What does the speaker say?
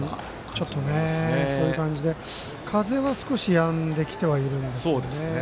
ちょっと、そういう感じで風は少しやんできてはいるんですけどね。